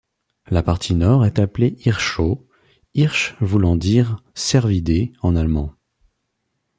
La partie nord est appelée Hirschau, Hirsche voulant dire cervidés en allemand.